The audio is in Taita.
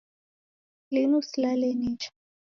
Linu silale nicha.